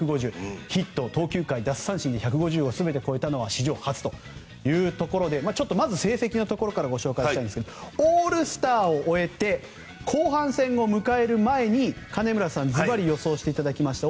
ヒット、投球回、奪三振で全て１５０を超えたのは史上初ということでまず成績のところからご紹介したいんですがオールスターを終えて後半戦を迎える前に金村さんにずばり予想していただきました。